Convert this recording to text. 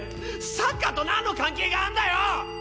サッカーとなんの関係があんだよ！？